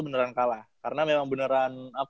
beneran kalah karena memang beneran